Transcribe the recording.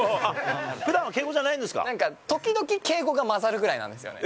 ふだんは敬語じゃないんですなんか時々、敬語が混ざるぐらいなんですよね。